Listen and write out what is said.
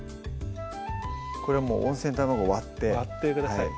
これはもう温泉卵割って割ってください